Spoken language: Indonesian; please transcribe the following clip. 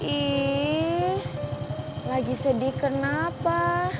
ih lagi sedih kenapa